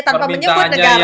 tanpa menyebut negaranya